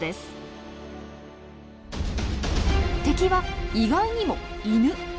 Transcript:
敵は意外にもイヌ。